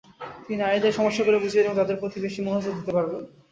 তিনি নারীদের সমস্যাগুলো বুঝবেন এবং তাঁদের প্রতি বেশি মনোযোগ দিতে পারবেন।